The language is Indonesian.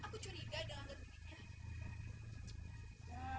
aku curiga dalam keseluruhan